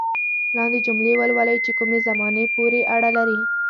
لاندې جملې ولولئ چې کومې زمانې پورې اړه لري.